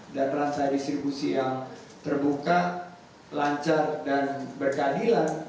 dan perancang distribusi yang terbuka lancar dan berkadilan